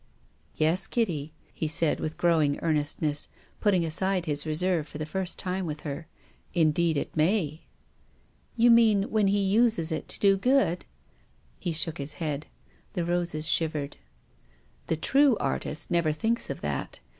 " Yes, Kitty," he said, with growing earnest ness, putting aside his reserve for the first time with her. " Indeed it may." " You mean when he uses it to do good ?" He shook his head. The roses shivered. The true artist never thinks of that.